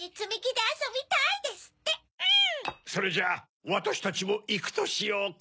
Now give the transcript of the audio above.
それじゃあわたしたちもいくとしようか。